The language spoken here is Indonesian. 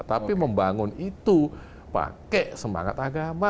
tapi membangun itu pakai semangat agama